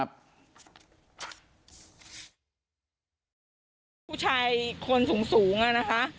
ผู้ชายคนสูงอะนะคะ